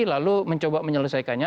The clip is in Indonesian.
lalu mencoba menyelesaikannya